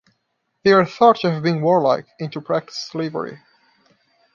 They are thought to have been warlike and to practise slavery.